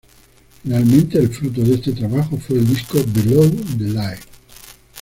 Finalmente el fruto de este trabajo fue el disco "Below the Lights".